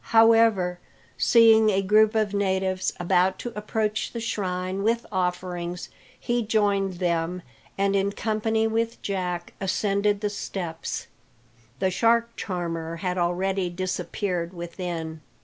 However, seeing a group of natives about to approach the shrine with offerings, he joined them, and in company with Jack ascended the steps. The shark charmer had already disappeared within.